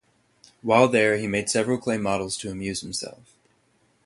While there, he made several clay models to amuse himself.